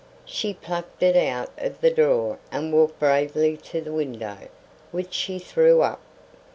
She plucked it out of the drawer and walked bravely to the window, which she threw up.